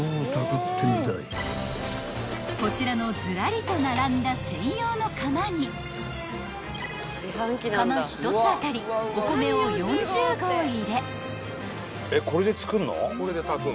［こちらのずらりと並んだ専用の釜に釜１つ当たりお米を４０合入れ］